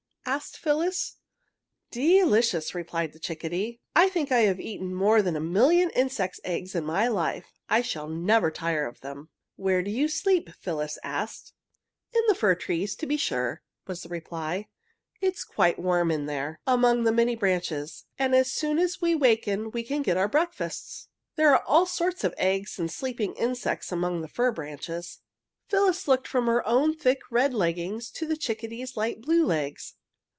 asked Phyllis. "Delicious!" replied the chickadee. "I think I have eaten more than a million insects' eggs in my life. I shall never tire of them." "Where do you sleep?" Phyllis asked. "In the fir trees, to be sure," was the reply. "It is quite warm in there, among the many branches, and as soon as we waken we can get our breakfasts. There are all sorts of eggs and sleeping insects among the fir branches." Phyllis looked from her own thick red leggings to the chickadee's light blue legs.